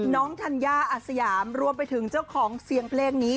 ธัญญาอาสยามรวมไปถึงเจ้าของเสียงเพลงนี้